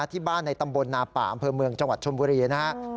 ที่บ้านในตำบลนาป่าอำเภอเมืองจังหวัดชนบุรีนะครับ